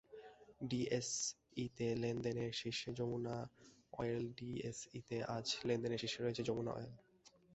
ডিএসইতে লেনদেনে শীর্ষে যমুনা অয়েলডিএসইতে আজ লেনদেনে শীর্ষে রয়েছে যমুনা অয়েল।